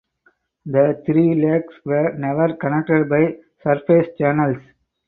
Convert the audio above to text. The three lakes were never connected by surface channels.